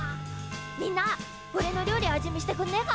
みんなおれの料理味見してくんねえか！？